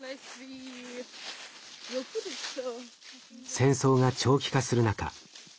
戦争が長期化する中福島